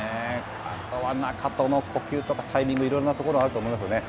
あとは中との呼吸とかタイミング、いろいろなところがあると思いますよね。